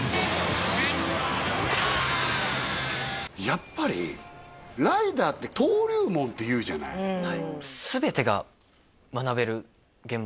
やっぱりライダーって登竜門っていうじゃないうん